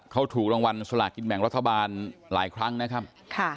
เขาถูกรางวัลสลากินแบ่งรัฐบาลหลายครั้งนะครับ